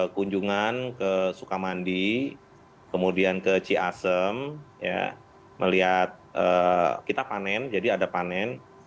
kemudian ke c asem melihat kita panen jadi ada panen